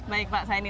baik pak zaini